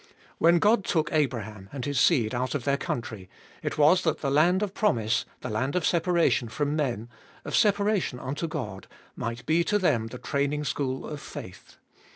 When God took Abraham and his seed out of their country, it was that the land of promise, the land of separation from men, of separation unto God, might be to them the training school of faith.